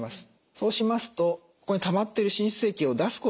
そうしますとここにたまってる滲出液を出すことができなくなります。